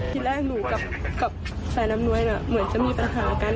ที่แรกหนูกับสายลำนวยเหมือนจะมีปัญหากัน